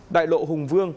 đại lộ hùng vương